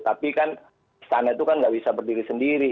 tapi kan istana itu kan nggak bisa berdiri sendiri